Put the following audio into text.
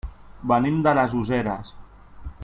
Venim de les Useres.